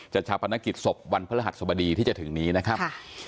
ชาปนกิจศพวันพระรหัสสบดีที่จะถึงนี้นะครับ